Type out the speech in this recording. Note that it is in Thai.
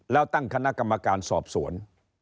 แล้วตั้งคณะกรรมการสอบสวน